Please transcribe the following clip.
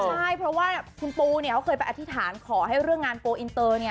ใช่เพราะว่าคุณปูเนี่ยเขาเคยไปอธิษฐานขอให้เรื่องงานโกอินเตอร์เนี่ย